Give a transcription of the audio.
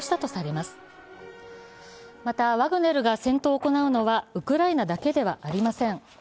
またワグネルが戦闘を行うのはウクライナだけではありません。